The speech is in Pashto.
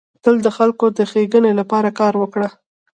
تل د خلکو د ښيګڼي لپاره کار وکړه.